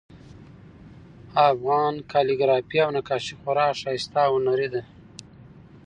افغان کالیګرافي او نقاشي خورا ښایسته او هنري ده